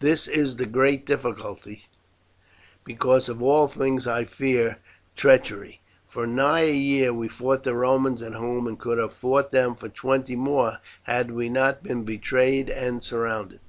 This is the great difficulty, because of all things I fear treachery; for nigh a year we fought the Romans at home, and could have fought them for twenty more had we not been betrayed and surrounded.